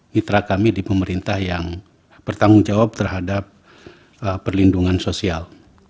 mitra kami di pemerintah yang bertanggung jawab terhadap perlindungan sosial